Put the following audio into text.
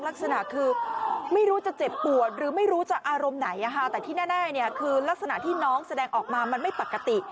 ลักษณะคือไม่รู้จะเจ็บปวดหรือไม่รู้จะอารมณ์ไหนแต่ที่แน่คือลักษณะที่น้องแสดงออกมามันไม่ปกติ